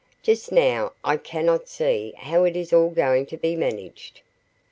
Just now I cannot see how it is all going to be managed."